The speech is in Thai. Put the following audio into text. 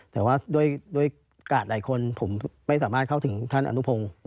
แต่ว่าด้วยกาดหลายคนผมไม่สามารถเข้าถึงท่านอนุพงศ์